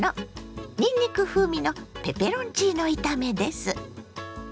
にんにく風味のペペロンチーノ炒めです。